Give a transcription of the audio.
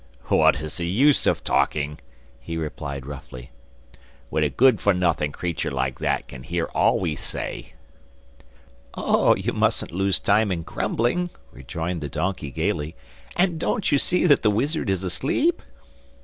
'What is the use of talking,' he replied roughly, 'when a good for nothing creature like that can hear all we say?' 'Oh, you mustn't lose time in grumbling,' rejoined the donkey gaily, 'and don't you see that the wizard is asleep?